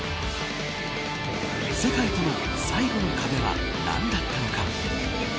世界との最後の壁は何だったのか。